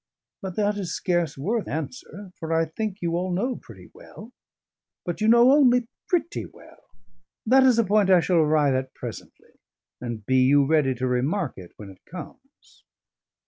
But that is scarce worth answer, for I think you all know pretty well. But you know only pretty well: that is a point I shall arrive at presently, and be you ready to remark it when it comes.